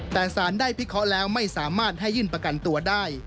แต่สารได้พิเคราะห์แล้วไม่สามารถให้ยื่นประกันตัวได้